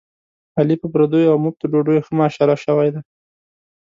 علي په پردیو اومفتو ډوډیو ښه ماشاءالله شوی دی.